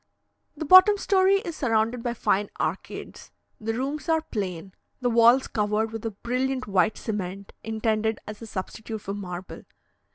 The bottom story is surrounded by fine arcades; the rooms are plain, the walls covered with a brilliant white cement, intended as a substitute for marble.